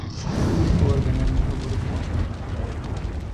خور د نرمو خبرو سرچینه ده.